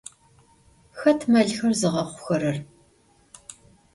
Xet melxer zığexhurer?